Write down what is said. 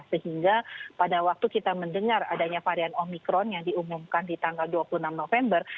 sehingga pada waktu kita mendengar adanya varian omikron yang diumumkan di tanggal dua puluh enam november